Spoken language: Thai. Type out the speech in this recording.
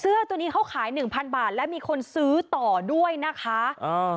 ตัวนี้เขาขายหนึ่งพันบาทและมีคนซื้อต่อด้วยนะคะอ่า